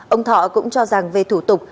ông thọ cũng cho rằng về thủ tục